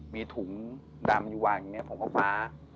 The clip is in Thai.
มีถุงดำอยู่วางอย่างนี้ผมก็คว้า